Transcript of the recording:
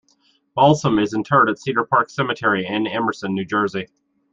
Balsam is interred at Cedar Park Cemetery, in Emerson, New Jersey.